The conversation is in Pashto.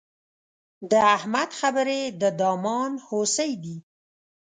د احمد خبرې د دامان هوسۍ دي.